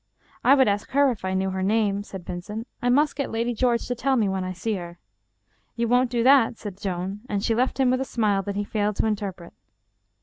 " I would ask her if I knew her name," said Vincent. " I must get Lady George to tell me when I see her." " You won't do that," said Joan, and she left him with a smile that he failed to interpret.